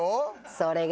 それが。